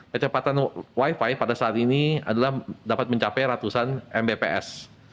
kecepatan wifi pada saat ini adalah dapat mencapai ratusan mbps